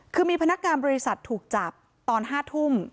คือมีพนักงานบริษัทถูกจับตอน๕ทุ่ม